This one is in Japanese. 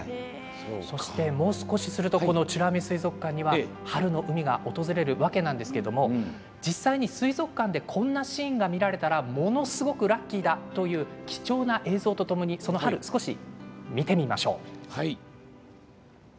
そして、もう少しすると美ら海水族館には春の海が訪れるわけなんですけども実際に水族館でこんなシーンが見られたらものすごくラッキーだという貴重な映像とともにその春、少し見てみましょう。